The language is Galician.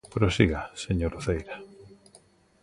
Prosiga, señora Uceira.